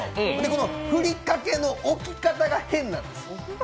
このふりかけの置き方が変なんです。